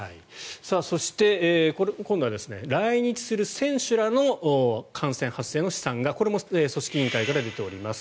そして、今度は来日する選手らの感染発生の試算がこれも組織委員会から出ております。